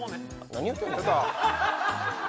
何言うてんの？